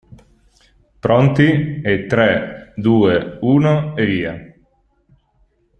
Pronti, e tre, due, uno e via.